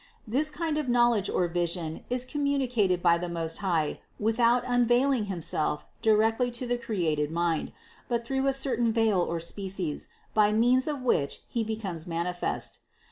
This kind of knowledge or vision is communicated by the Most High without unveiling Himself directly to the created mind, but through a certain veil or species, by means of which He becomes manifest.